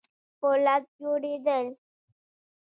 په لاس جوړېدل.